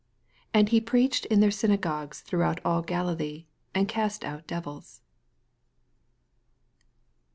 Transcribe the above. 39 And he preached in their syna gogues throughout all Galilee, and cast out devils.